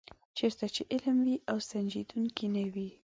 چېرته چې علم وي او سنجیدګي نه وي.